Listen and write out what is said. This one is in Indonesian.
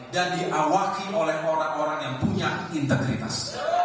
dan diawaki oleh orang orang yang punya integritas